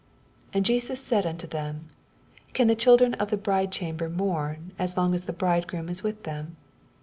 15 And Jesns said unto them, Can the children of the hridechamber mourn, as long as the bride^oom is with tnem